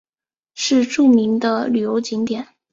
是著名的旅游景点。